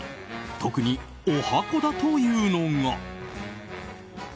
特に、おはこだというのが。